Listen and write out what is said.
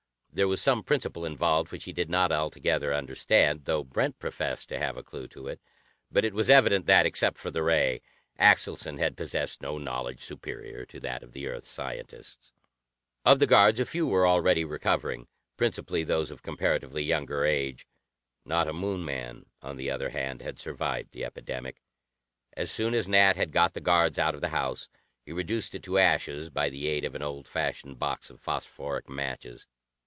There was some principle involved which he did not altogether understand, though Brent professed to have a clue to it, but it was evident that, except for the ray, Axelson had possessed no knowledge superior to that of the Earth scientists. Of the guards, a few were already recovering, principally those of comparatively younger age. Not a Moon man, on the other hand, had survived the epidemic. As soon as Nat had got the guards out of the house, he reduced it to ashes by the aid of an old fashioned box of phosphoric matches.